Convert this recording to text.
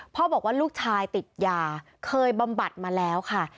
บอกว่าลูกชายติดยาเคยบำบัดมาแล้วค่ะ